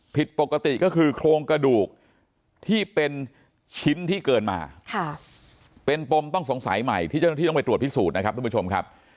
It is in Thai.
ผิดปกติก็คือโครงกระดูกที่เป็นชิ้นที่เกินมาเป็นปมต้องสงสัยใหม่ที่เจ้าหน้าที่ต้องไปตรวจพิสูจน์นะครับทุกผู้ชมครับ